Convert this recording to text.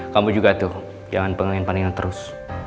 kamu juga tuh jaman pengen pengen terus